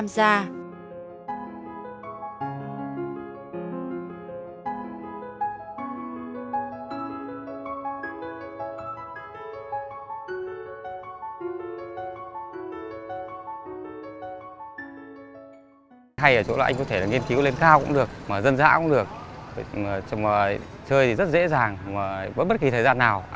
các người tham gia